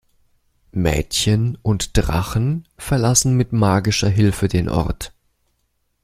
Mädchen und Drachen verlassen mit magischer Hilfe den Ort.